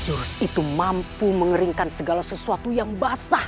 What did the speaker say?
jurusiu mampu mengeringkan segala sesuatu yang basah